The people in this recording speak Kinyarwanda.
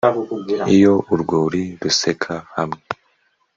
iyo urwuri ruseka hamwe